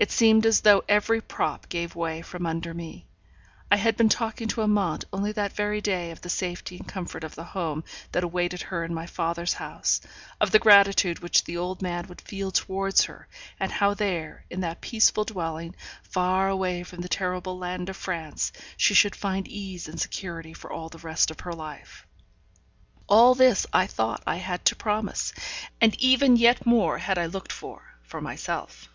It seemed as though every prop gave way from under me. I had been talking to Amante only that very day of the safety and comfort of the home that awaited her in my father's house; of the gratitude which the old man would feel towards her; and how there, in that peaceful dwelling, far away from the terrible land of France, she should find ease and security for all the rest of her life. All this I thought I had to promise, and even yet more had I looked for, for myself.